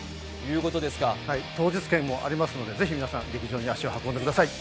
当日券もありますので、ぜひ皆さん劇場に足を運んでください。